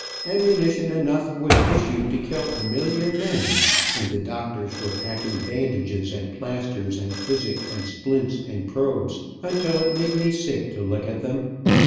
Ammunition enough was issued to kill a million men, and the doctors were packing bandages and plasters, and physic, and splints and probes, until it made me sick to look at them.